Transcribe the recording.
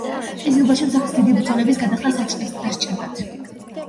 ყიზილბაშებს აქაც დიდი ბრძოლების გადახდა დასჭირდათ.